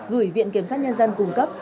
gửi viện kiểm soát nhân dân cung cấp